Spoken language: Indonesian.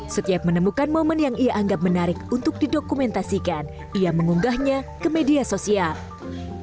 setiap menemukan momen yang ia anggap menarik untuk didokumentasikan ia mengunggahnya ke media sosial